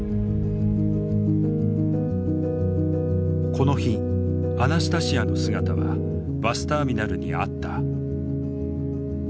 この日アナスタシヤの姿はバスターミナルにあった。